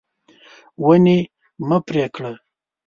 ونې مه پرې کړه.